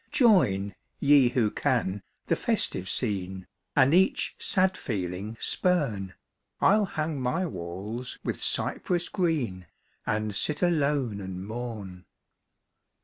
Join, ye who can, the festive scene, And each sad feeling spurn ; I'll hang my walls with cypress green, And sit alone and mourn.